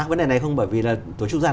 vấn đề này không bởi vì là tổ chức gian